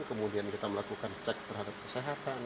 kemudian kita melakukan cek terhadap kesehatan